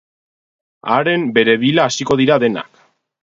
Haren bere bila hasiko dira denak.